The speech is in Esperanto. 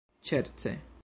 ŝerce